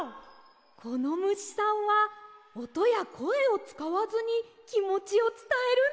このむしさんはおとやこえをつかわずにきもちをつたえるんですね。